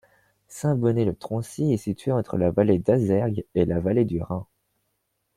Saint-Bonnet-le-Troncy est situé entre la vallée d'Azergues et la vallée du Reins.